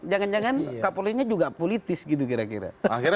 dengan kak polri nya juga politis gitu kira kira